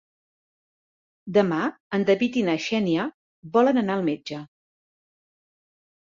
Demà en David i na Xènia volen anar al metge.